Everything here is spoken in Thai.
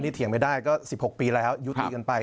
ไม่มีแล้วก็สี่ปุ่กปีแล้วยูทีกันไป